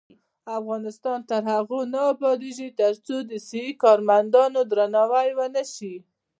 افغانستان تر هغو نه ابادیږي، ترڅو د صحي کارمندانو درناوی ونشي.